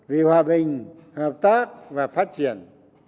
vì hòa bình hợp tác và phát triển